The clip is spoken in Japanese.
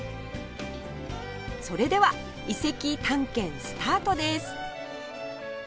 それでは遺跡探検スタートです